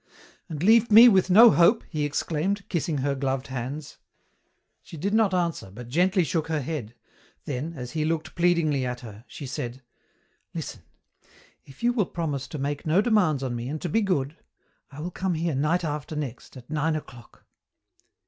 "And leave me with no hope?" he exclaimed, kissing her gloved hands. She did not answer, but gently shook her head, then, as he looked pleadingly at her, she said, "Listen. If you will promise to make no demands on me and to be good, I will come here night after next at nine o'clock."